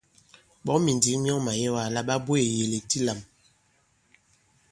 Ɓɔ̌ŋ mìndǐŋ myɔŋ màyɛwa àla ɓa bweè ìyèlèk di lam.